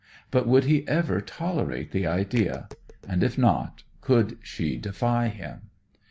But would he ever tolerate the idea? And if not, could she defy him?